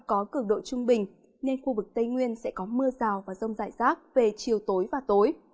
có cực độ trung bình nên khu vực tây nguyên sẽ có mưa rào và rông rải rác về chiều tối và tối